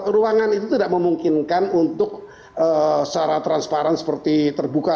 ruangan itu tidak memungkinkan untuk secara transparan seperti terbuka